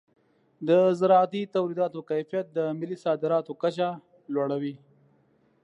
د زراعتي تولیداتو کیفیت د ملي صادراتو کچه لوړوي.